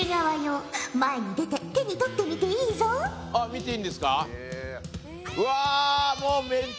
見ていいんですか？